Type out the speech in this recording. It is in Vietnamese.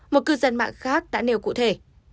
một cư dân mạng khác đã nêu cụ thể